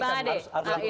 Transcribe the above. tapi pak ade